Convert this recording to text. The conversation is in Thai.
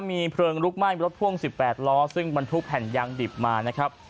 มีเพลิงลุกไหม้รถพ่วง๑๘ล้อซึ่งบรรทุกแผ่นยางดิบมานะครับ